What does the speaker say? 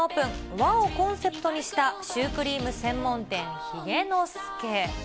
和をコンセプトにしたシュークリーム専門店、髭之助。